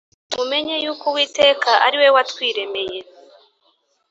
mumenye yuko uwiteka ariwe watwiremeye